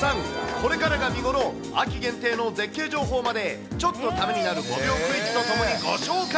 これからが見頃、秋限定の絶景情報までちょっとためになる５秒クイズとともにご紹介。